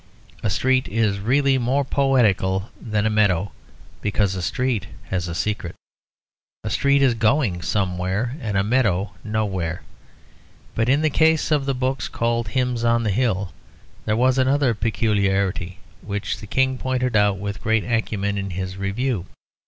A street is really more poetical than a meadow, because a street has a secret. A street is going somewhere, and a meadow nowhere. But, in the case of the book called "Hymns on the Hill," there was another peculiarity, which the King pointed out with great acumen in his review.